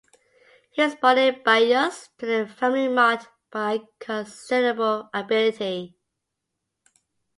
He was born in Bayeux, to a family marked by considerable ability.